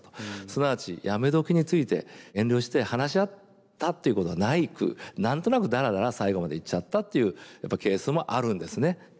すなわちやめどきについて遠慮して話し合ったっていうことはなく何となくだらだら最期までいっちゃったっていうケースもあるんですね。